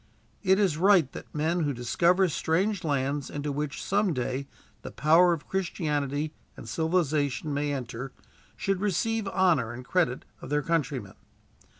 It is right that men who discover strange lands into which, some day, the power of Christianity and civilization may enter, should receive honor and credit of their countrymen.